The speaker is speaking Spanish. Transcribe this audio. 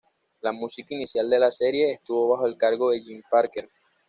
La música inicial de la serie estuvo bajo el cargo de Jim Parker.